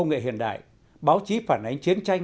công nghệ hiện đại báo chí phản ánh chiến tranh